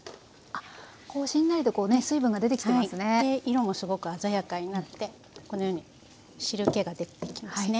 色もすごく鮮やかになってこのように汁けが出てきますね。